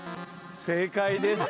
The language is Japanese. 正解です。